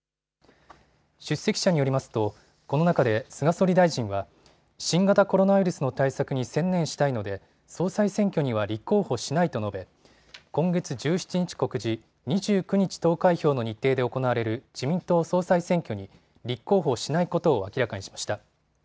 出席者によりますとこの中で菅総理大臣は新型コロナウイルスの対策に専念したいので総裁選挙には立候補しないと述べ今月１７日告示、２９日投開票の日程で行われる自民党総裁選挙に立候補しないことを明らかにしました。